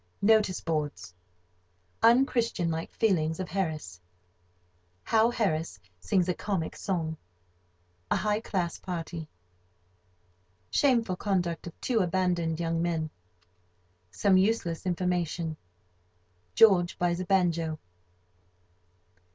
—"Notice" boards.—Unchristianlike feelings of Harris.—How Harris sings a comic song.—A high class party.—Shameful conduct of two abandoned young men.—Some useless information.—George buys a banjo.